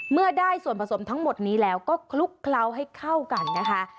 เมื่อได้ส่วนผสมทั้งหมดนี้แล้วก็คลุกเคล้าให้เข้ากันนะคะ